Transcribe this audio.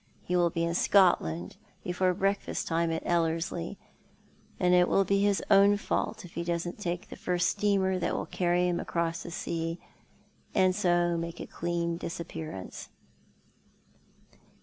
He will be in Scotland before breakfast time at Ellerslie, and it will be his own fault if he doesn't take the first steamer that will carry him across the sea, and so make a clean dis appearance."